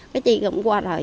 cái chị cũng qua rồi